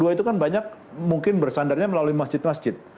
dua itu kan banyak mungkin bersandarnya melalui masjid masjid